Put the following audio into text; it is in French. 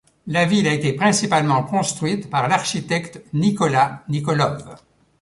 La ville a été principalement construite par l'architecte Nikola Nikolov.